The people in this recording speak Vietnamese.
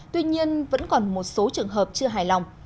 tuy nhiên vẫn còn một số trường hợp chưa hài lòng